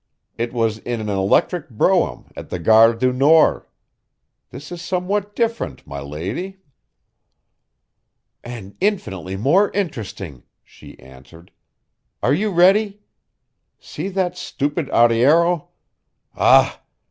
It was in an electric brougham at the Gare du Nord. This is somewhat different, my lady." "And infinitely more interesting," she answered. "Are you ready? See that stupid arriero! Ah!